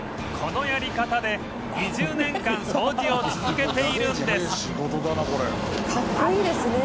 このやり方で２０年間掃除を続けているんです